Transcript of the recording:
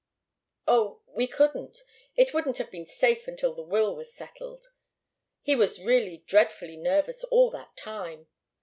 "Oh we couldn't. It wouldn't have been safe until the will was settled. He was really dreadfully nervous all that time.